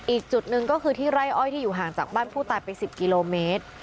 อีกจุดหนึ่งก็คือที่ไร่อ้อยที่อยู่ห่างจากบ้านผู้ตายไป๑๐กิโลเมตร